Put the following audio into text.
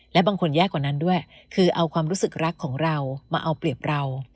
และบางคนแย่กว่านั้นด้วยคือเอาความรู้สึกรักของเรามาเอาเปรียบเรา